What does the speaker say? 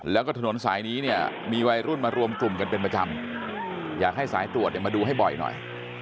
แล้วก็ถนนสายนี้เนี่ยมีวัยรุ่นมารวมกลุ่มกันเป็นประจำอยากให้สายตรวจเนี่ยมาดูให้บ่อยหน่อย